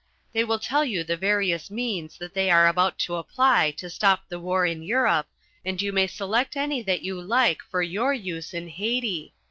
They will tell you the various means that they are about to apply to stop the war in Europe, and you may select any that you like for your use in Haiti.